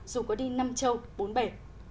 dù có đi năm châu bốn bể